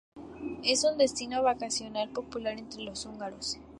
Es un destino vacacional popular entre los húngaros.